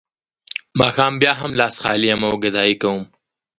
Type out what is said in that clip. ماښام بیا هم لاس خالي یم او ګدايي کوم